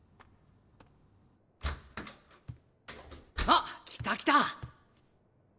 あっ来た来た。